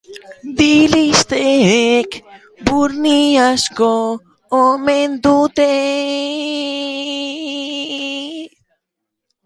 Dilistek burni asko omen dute.